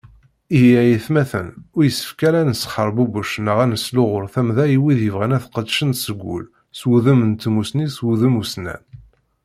Ihi ay atmaten, ur yessefk ara ad nesxerbubec neɣ ad nesluɣuy tamda i wid yebɣan ad qedcen seg ul, s wudem n tmusni, s wudem ussnan.